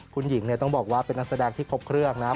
คุณหญิงต้องบอกว่าเป็นนักแสดงที่ครบเครื่องนะ